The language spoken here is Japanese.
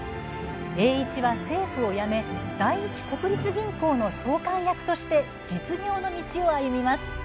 栄一は政府を辞め第一国立銀行の総監役として実業の道を歩みます。